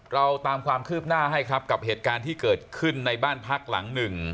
เราตามความคืบหน้าให้ครับกับเหตุการณ์ที่เกิดขึ้นในบ้านพักหลังหนึ่ง